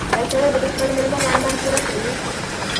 ایا سړی به د خپلې مېرمنې ارمان پوره کړي؟